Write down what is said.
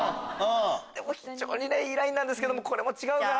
非常にいいラインなんですけどこれも違うかな。